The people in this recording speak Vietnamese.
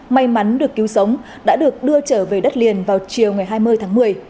may mắn được cứu sống đã được đưa trở về đất liền vào chiều ngày hai mươi tháng một mươi